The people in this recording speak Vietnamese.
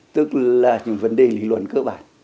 tức là những vấn đề lý luận cơ bản